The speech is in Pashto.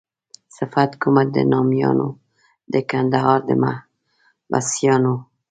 صفت کومه د نامیانو د کندهار د محبسیانو.